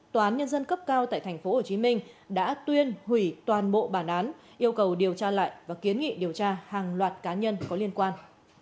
tòa án nhân dân cấp cao tại tp hcm đã tuyên hủy toàn bộ bản án yêu cầu điều tra lại và kiến nghị điều tra hàng loạt cá nhân có liên quan